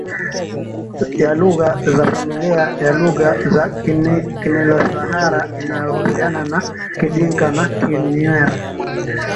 ya lugha za familia ya lugha za KiniloSahara inayohusiana na Kidinka na Kinuer